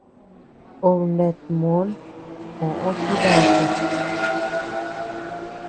Obe nata mòn koʼo Jibaku.